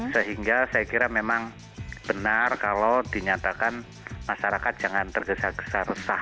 sehingga saya kira memang benar kalau dinyatakan masyarakat jangan tergesa gesa resah